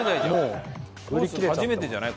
初めてじゃない？